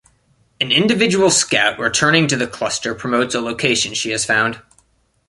An individual scout returning to the cluster promotes a location she has found.